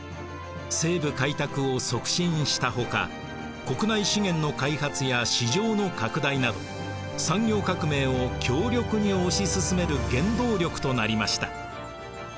西部開拓を促進したほか国内資源の開発や市場の拡大など産業革命を強力に推し進める原動力となりました。